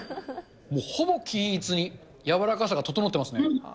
もうほぼ均一に柔らかさが整ってますね。